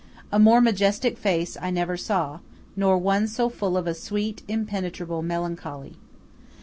A more majestic face I never saw, nor one so full of a sweet, impenetrable melancholy.